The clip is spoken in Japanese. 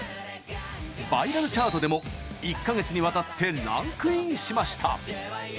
バイラルチャートでも、１か月にわたってランクインしました。